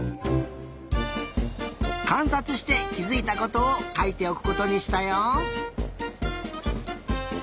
かんさつしてきづいたことをかいておくことにしたよ。